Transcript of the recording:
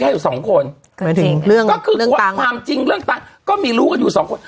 แค่อยู่สองคนก็คือความจริงเรื่องตังค์ก็มีรู้กันอยู่สองคน